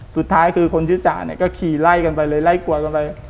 สุดท้ายคือคนชื่อจ่าเนี่ยก็ขี่ไล่กันไปเลยไล่กลัวกันไป